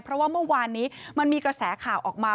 เพราะว่าเมื่อวานนี้มันมีกระแสข่าวออกมา